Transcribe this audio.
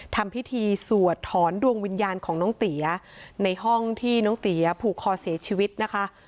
ทำพิธีสวดถอนดวงวิญญาณของน้องเตี๋ยในห้องที่น้องเตี๋ยผูกคอเสียชีวิตนะคะ